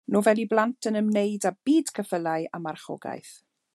Nofel i blant yn ymwneud â byd ceffylau a marchogaeth.